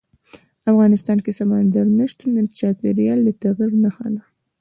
افغانستان کې سمندر نه شتون د چاپېریال د تغیر نښه ده.